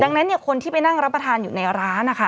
ดังนั้นคนที่ไปนั่งรับประทานอยู่ในร้านนะคะ